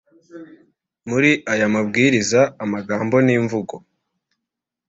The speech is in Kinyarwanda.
muri aya mabwiriza amagambo n imvugo